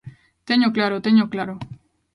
Téñoo claro, téñoo claro.